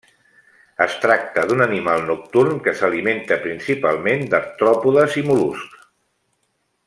Es tracta d'un animal nocturn que s'alimenta principalment d'artròpodes i mol·luscs.